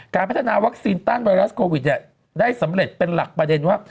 การพัฒนาวัคซีนต้านไวรัสโควิดได้สำเร็จเป็นหลักประเด็นว่า